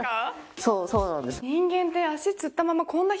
そうそうなんです